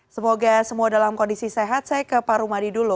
semoga semua dalam kondisi sehat saya ke pak rumadi dulu